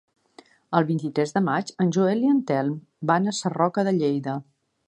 El vint-i-tres de maig en Joel i en Telm van a Sarroca de Lleida.